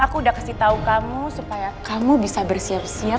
aku udah kasih tahu kamu supaya kamu bisa bersiap siap